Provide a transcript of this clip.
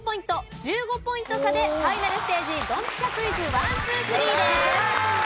１５ポイント差でファイナルステージドンピシャクイズ１・２・３です。